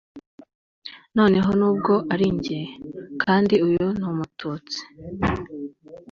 noneho nubwo ari njye. (kandi uyu ni umututsi)